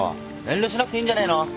遠慮しなくていいんじゃねえの？